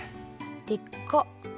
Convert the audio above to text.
でっか！